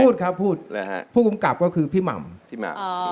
พูดครับพูดผู้กำกับก็คือพี่หม่ำ